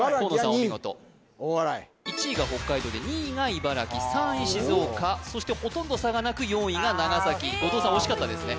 お見事茨城が２位大洗１位が北海道で２位が茨城３位静岡そしてほとんど差がなく４位が長崎後藤さん惜しかったですね